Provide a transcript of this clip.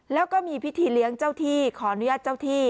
แล้วก็มีพิธีเลี้ยงเจ้าที่ขออนุญาตเจ้าที่